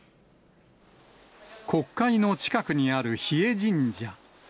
国会の近くにある日枝神社。